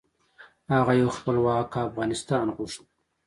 هغه یو خپلواک افغانستان غوښت .